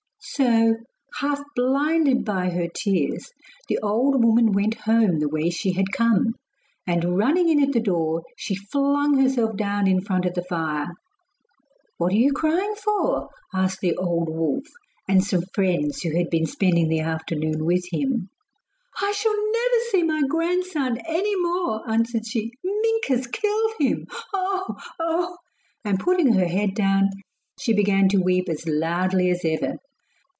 So, half blinded by her tears, the old woman went home the way she had come, and running in at the door, she flung herself down in front of the fire. 'What are you crying for?' asked the old wolf and some friends who had been spending the afternoon with him. 'I shall never see my grandson any more!' answered she. 'Mink has killed him, oh! oh!' And putting her head down, she began to weep as loudly as ever.